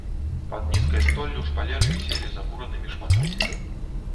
Пад нізкай столлю шпалеры віселі закуранымі шматамі.